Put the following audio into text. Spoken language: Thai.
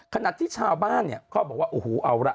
ขณะที่ชาวบ้านเนี่ยเขาบอกว่าโอ้โหเอาล่ะ